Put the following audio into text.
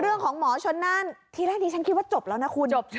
เรื่องของหมอชนนั่นทีแรกที่ฉันคิดว่าจบแล้วนะคุณ